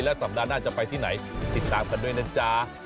สัปดาห์หน้าจะไปที่ไหนติดตามกันด้วยนะจ๊ะ